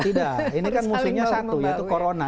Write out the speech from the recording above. tidak ini kan musuhnya satu yaitu corona